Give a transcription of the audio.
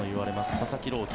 佐々木朗希。